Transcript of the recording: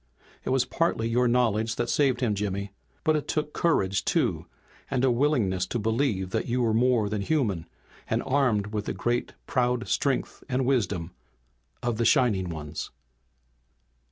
"It was partly your knowledge that saved him, Jimmy. But it took courage too, and a willingness to believe that you were more than human, and armed with the great proud strength and wisdom of the Shining Ones."